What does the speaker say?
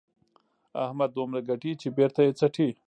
احمد دومره ګټي چې بېرته یې څټي.